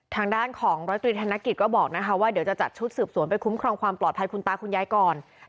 ทางด้านของร้อยตรีธนกิจก็บอกนะคะว่าเดี๋ยวจะจัดชุดสืบสวนไปคุ้มครองความปลอดภัยคุณตาคุณยายก่อน